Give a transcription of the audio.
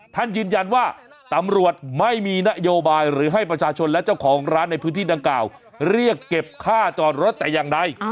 ท่านยืนยันว่าตำรวจไม่มีนโยบายหรือให้ประชาชนและเจ้าของร้านในพื้นที่ดังกล่าวเรียกเก็บค่าจอดรถแต่อย่างใด